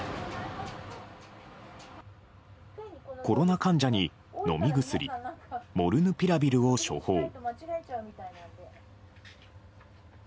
コロナ患者に飲み薬モルヌピラビルを処方。